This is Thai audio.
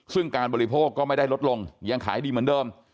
ซึ่งการบริโภคก็ไม่ได้ลดลงยังขายดีเหมือนเดิม